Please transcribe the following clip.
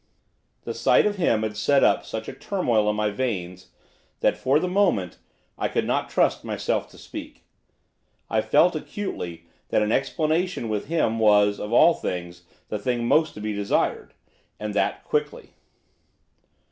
The sight of him had set up such a turmoil in my veins, that, for the moment, I could not trust myself to speak. I felt, acutely, that an explanation with him was, of all things, the thing most to be desired, and that quickly.